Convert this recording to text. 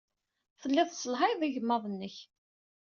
Telliḍ tesselhayeḍ igmaḍ-nnek.